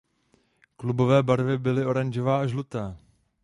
Klubové barvy byly oranžová a žlutá.